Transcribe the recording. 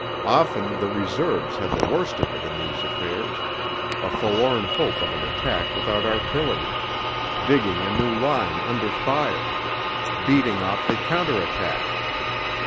Often the Reserves had the worst of it in these affairs ... a forlorn hope of an attack without artillery ... digging a new line under fire ... beating off the counterattack....